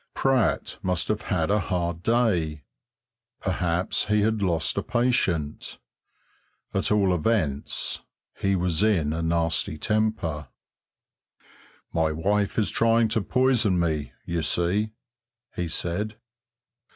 Pratt must have had a hard day. Perhaps he had lost a patient. At all events, he was in a nasty temper. "My wife is trying to poison me, you see!" he said.